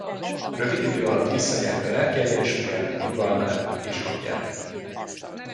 Rövid idő alatt visszanyerte lelki egyensúlyát, nyugalmát és hangját.